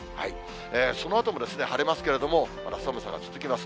そのあとも晴れますけれども、まだ寒さが続きます。